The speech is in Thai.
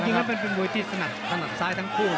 แล้วจริงแล้วเป็นบุยที่สนัดตั้งกับซ้ายทั้งคู่